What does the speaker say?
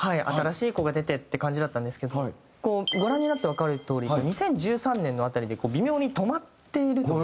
新しい子が出てって感じだったんですけどご覧になってわかるとおり２０１３年の辺りで微妙に止まっている。